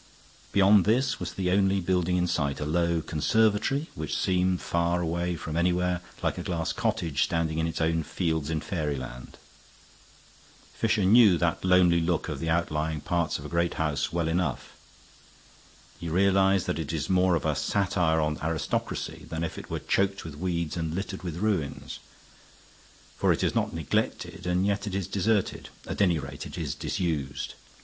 Beyond this was the only building in sight, a low conservatory, which seemed far away from anywhere, like a glass cottage standing in its own fields in fairyland. Fisher knew that lonely look of the outlying parts of a great house well enough. He realized that it is more of a satire on aristocracy than if it were choked with weeds and littered with ruins. For it is not neglected and yet it is deserted; at any rate, it is disused.